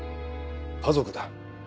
家族だ。